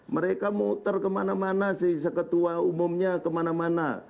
mereka muter kemana mana sih seketua umumnya kemana mana